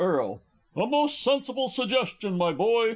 _ A most sensible suggestion, my boy.